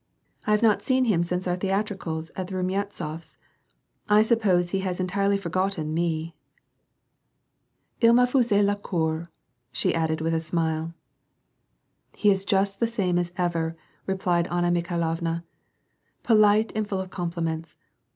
" I have not seen him since our theatricals at the Rumyantsofs. I suppose he has entirely forgotten me. II mefaisait la cour,^* she added, with a smile. " He is just the same as ever," replied Anna Mikhailovna, " Polite and full of compliments.